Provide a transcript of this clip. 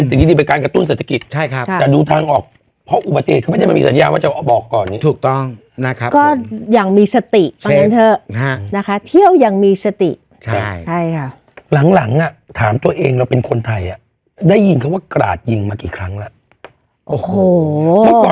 สติเถอะค่ะนะคะเที่ยวยังมีสติใช่ใช่ค่ะหลังหลังอ่ะถามตัวเองเราเป็นคนไทยอ่ะได้ยินเขาว่ากราชยิงมากี่ครั้งล่ะโอ้โห